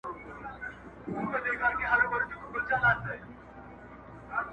• چي ته بېلېږې له مست سوره څخه.